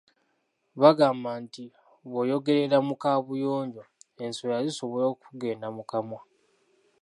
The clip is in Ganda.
"Bagamba nti bw’oyogerera mu kaabuyonjo, enswera zisobola okukugenda mu kamwa."